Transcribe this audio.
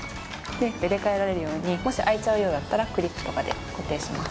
入れ替えられるようにもし空いちゃうようだったらクリップとかで固定します。